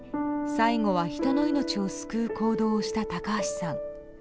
最後は人の命を救う行動をした高橋さん。